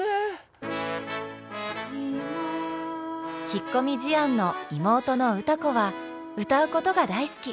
引っ込み思案の妹の歌子は歌うことが大好き。